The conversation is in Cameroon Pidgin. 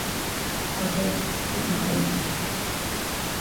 I beg keep ma own.